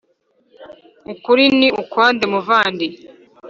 ukuri ni ukwande muvandi